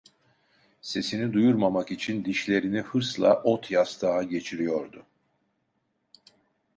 Sesini duyurmamak için dişlerini hırsla ot yastığa geçiriyordu.